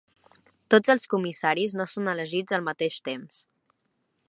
Tots els comissaris no són elegits al mateix temps.